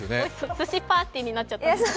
すしパーティーになっちゃったんですね。